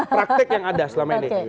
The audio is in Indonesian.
praktek yang ada selama ini